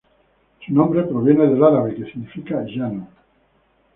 Su nombre proviene del árabe, que significa llano.